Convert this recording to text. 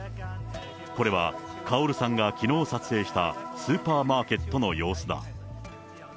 これはカオルさんがきのう撮影したスーパーマーケットの様子だ。